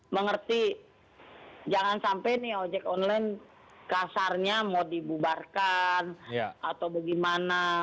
mengerti jangan sampai nih ojek online kasarnya mau dibubarkan atau bagaimana